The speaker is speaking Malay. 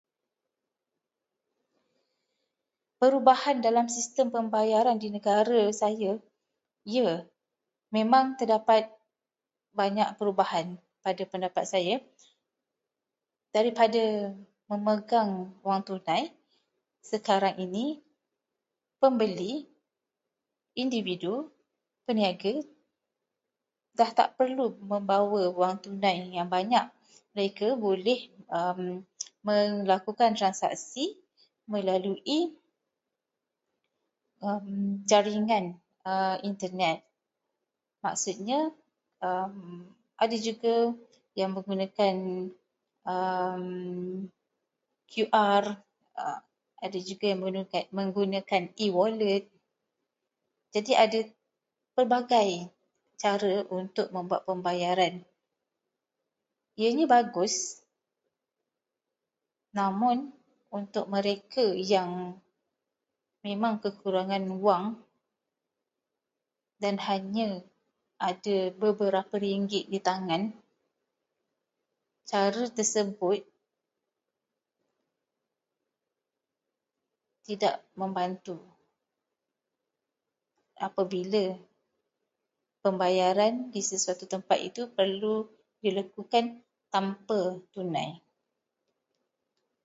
Perubahan dalam sistem pembayaran di dalam negara saya. Ya, memang terdapat banyak perubahan pada pendapat saya. Daripada memegang wang tunai, sekarang ini pembeli, individu, peniaga, dah tak perlu membawa wang tunai yang banyak. Mereka boleh melakukan transaksi melalui jaringan Internet. Maksudnya, ada juga yang menggunakan QR, ada juga yang menggunakan e-wallet. Jadi ada pelbagai cara untuk membuat pembayaran. Ianya bagus, namun untuk mereka yang memang kekurangan wang dan hanya ada beberapa ringgit di tangan, cara tersebut tidak membantu apabila pembayaran di sesuatu tempat itu perlu dilakukan tanpa tunai.